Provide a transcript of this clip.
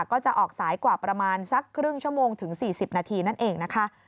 ก็จะออกสายกว่าประมาณสักครึ่งชั่วโมงถึง๔๐นาทีนั่นเองนะคะ